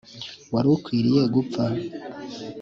Wari ukwiriye gupfa .